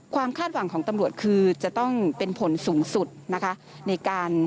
คาดหวังของตำรวจคือจะต้องเป็นผลสูงสุดนะคะในการ